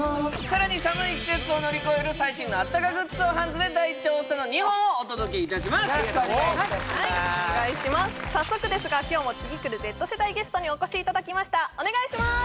さらに寒い季節を乗り越える最新のあったかグッズをハンズで大調査の２本をお届けいたします早速ですが今日も次くるＺ世代ゲストにお越しいただきましたお願いします！